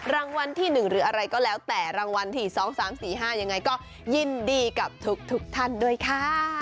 รางวัลที่๑หรืออะไรก็แล้วแต่รางวัลที่๒๓๔๕ยังไงก็ยินดีกับทุกท่านด้วยค่ะ